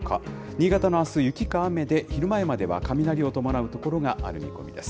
新潟のあす、雪か雨で、昼前までは雷を伴う所がある見込みです。